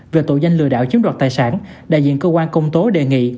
về tội danh lừa đảo chiếm đoạt tài sản đại diện cơ quan công tố đề nghị